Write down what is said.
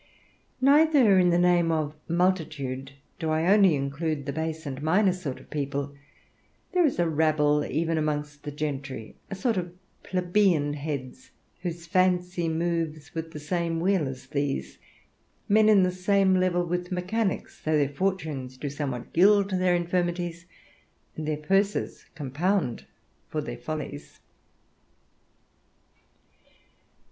Neither in the name of multitude do I only include the base and minor sort of people: there is a rabble even amongst the gentry, a sort of plebeian heads, whose fancy moves with the same wheel as these; men in the same level with mechanics, though their fortunes do somewhat gild their infirmities, and their purses compound for their follies.